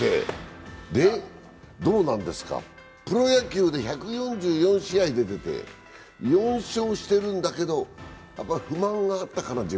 プロ野球で１４４試合出て、４勝してるんだけど、やっぱ自分で不満があったかな。